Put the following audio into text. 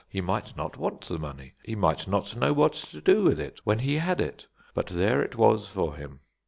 He might not want the money. He might not know what to do with it when he had it. But there it was for him.